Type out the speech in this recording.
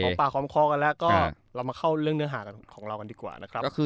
ปากหอมคอกันแล้วก็เรามาเข้าเรื่องเนื้อหาของเรากันดีกว่านะครับ